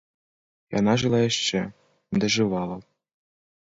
Яна жыла яшчэ, дажывала.